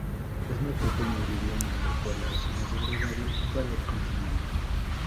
Es más pequeña y liviana, lo cual la hace más agradable para el consumidor.